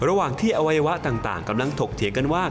ระหว่างที่อวัยวะต่างกำลังถกเถียงกันว่า